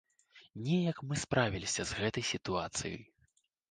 Неяк мы справіліся з гэтай сітуацыяй!